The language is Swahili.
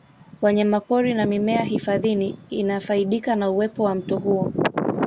Wanyamapori na mimea hifadhini inafaidika na uwepo wa mto huu